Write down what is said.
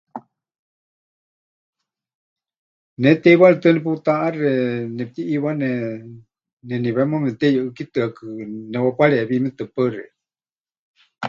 Ne teiwaritɨ́a neputaʼaxe, nepɨtiʼiiwane, neniwéma memɨteyuʼɨ́kitɨakɨ, newapareewímɨtɨ. Paɨ xeikɨ́a.